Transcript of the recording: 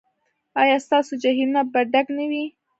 ایا ستاسو جهیلونه به ډک نه وي؟